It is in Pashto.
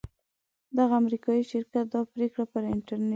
دغه امریکایي شرکت دا پریکړه پر انټرنیټ